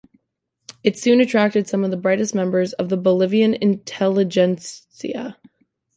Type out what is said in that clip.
It soon attracted some of the brightest members of the Bolivian intelligentsia.